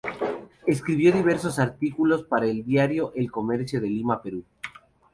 Escribió diversos artículos para el diario "El Comercio" de Lima, Perú.